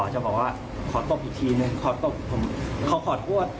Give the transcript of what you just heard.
จะบอกว่าขอตบอีกทีนึงขอตบเขาขอโทษ